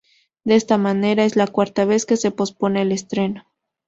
De esta manera es la cuarta vez que se pospone el estreno.